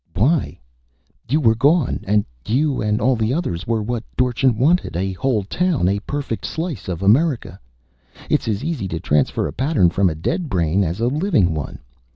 "Why? You were gone. And you and all the others were what Dorchin wanted a whole town, a perfect slice of America. It's as easy to transfer a pattern from a dead brain as a living one.